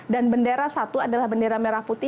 dan bendera satu adalah bendera merah putih